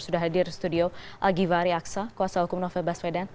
sudah hadir di studio al givari aksa kuasa hukum novel baswedan